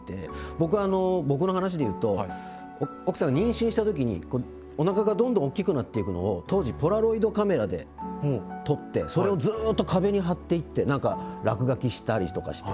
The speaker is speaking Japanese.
僕あの僕の話で言うと奥さん妊娠した時におなかがどんどん大きくなっていくのを当時ポラロイドカメラで撮ってそれをずっと壁に貼っていって何か落書きしたりとかして。